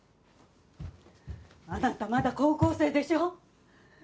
あなたまだ高校生でしょ？